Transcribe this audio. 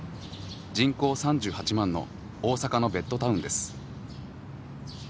人口３８万の大阪のベッドタウンです。